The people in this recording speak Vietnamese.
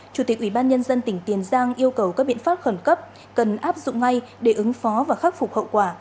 chủ tịch ủy ban nhân dân tỉnh tiền giang yêu cầu các biện pháp khẩn cấp cần áp dụng ngay để ứng phó và khắc phục hậu quả